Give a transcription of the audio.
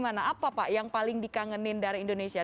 apa pak yang paling dikangenin dari indonesia